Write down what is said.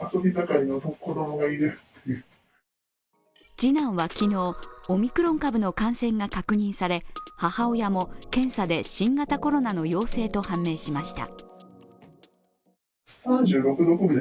次男は昨日、オミクロン株の感染が確認され母親も検査で新型コロナの陽性と判明しました。